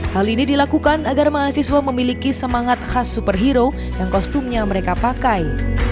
hal ini dilakukan agar mahasiswa memiliki semangat khas superhero yang kostumnya mereka pakai